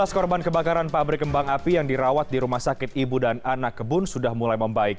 lima belas korban kebakaran pabrik kembang api yang dirawat di rumah sakit ibu dan anak kebun sudah mulai membaik